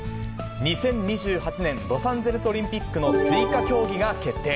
２０２８年ロサンゼルスオリンピックの追加競技が決定。